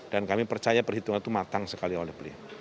dan kami percaya perhitungan itu matang sekali oleh beliau